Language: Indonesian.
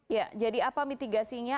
ya jadi apa mitigasinya